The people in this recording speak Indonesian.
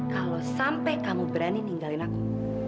kalau sampai kamu berani ninggalin aku